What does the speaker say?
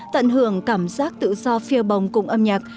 tận hưởng cảm giác tự do phiêu bồng cùng âm nhạc